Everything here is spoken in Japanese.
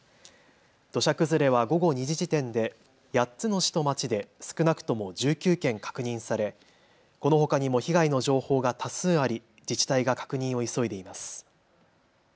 土砂崩れは午後２時時点で８つの市と町で少なくとも１９件確認されこのほかにも被害の情報が多数あり自治体が確認を急いでいます。